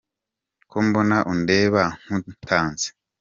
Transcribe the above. Ko mbona undeba nk'utanzi?